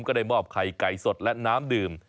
ก็ได้มอบไข่ไก่สดและน้ำดื่ม